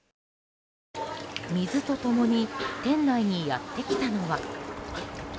水とともに店内にやってきたのは。